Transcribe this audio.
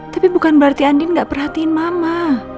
tapi bukan berarti andin gak perhatiin mama